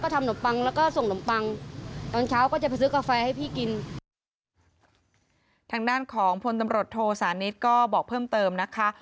ตอนเช้าก็จะไปซื้อกาแฟให้พี่กินทางด้านของพลตำรวจโทสานิดก็บอกเพิ่มเติมนะคะ